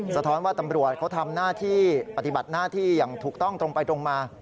สะท้อนว่าตำรวจเขาทำหน้าที่ปฏิบัติหน้าที่อย่างถูกต้องตรงไปตรงมา